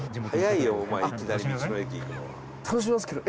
楽しみますけど。